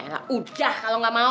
nah udah kalau nggak mau